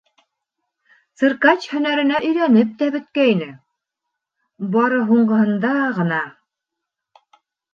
Циркач һөнәренә өйрәнеп тә бөткәйне, бары һуңғыһында ғына...